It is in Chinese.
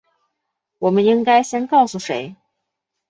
我们应该先告诉谁？